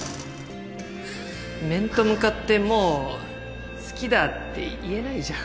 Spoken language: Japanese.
面と向かってもう好きだって言えないじゃん？